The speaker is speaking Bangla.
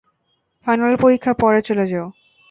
ফাইনাল পরীক্ষা পরে চলে যেও।